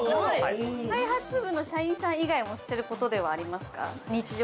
◆開発部の社員さん以外もしてることではありますか